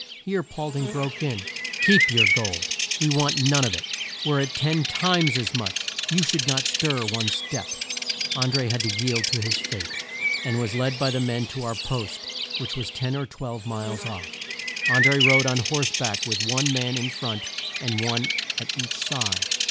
Here Paul ding broke in, "Keep your gold! We want none of it. Were it ten times as much, you should not stir one step!" An dré had to yield to his fate, and was led by the men to our post which was ten or twelve miles off. An dré rode on horse back with one man in front, and one at each side.